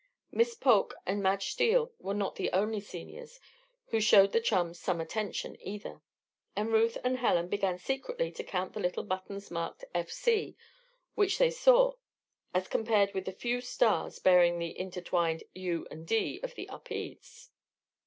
Miss Polk and Madge Steele were not the only Seniors who showed the chums some attention, either; and Ruth and Helen began secretly to count the little buttons marked "F. C." which they saw, as compared with the few stars bearing the intertwined "U" and "D" of the Upedes.